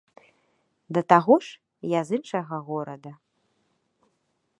Да таго ж, я з іншага горада.